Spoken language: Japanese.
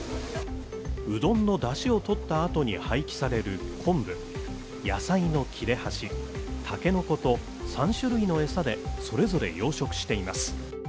うどんの出汁を取ったあとに廃棄される昆布野菜の切れ端タケノコと３種類のエサでそれぞれ養殖しています